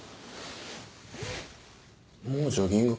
もうジョギングか？